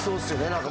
何か。